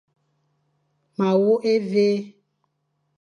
Ma wôkh évé.